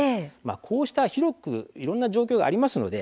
こうした広くいろんな状況がありますので